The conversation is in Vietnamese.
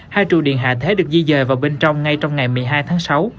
hai trụ điện hạ thế được di dời vào bên trong ngay trong ngày một mươi hai tháng sáu